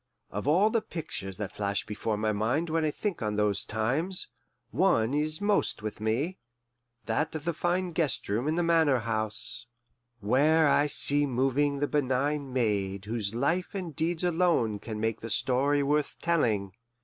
Of all the pictures that flash before my mind when I think on those times, one is most with me: that of the fine guest room in the Manor House, where I see moving the benign maid whose life and deeds alone can make this story worth telling.